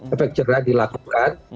efek cerah dilakukan